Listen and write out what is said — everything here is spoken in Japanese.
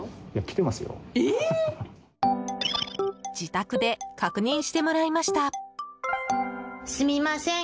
自宅で確認してもらいました。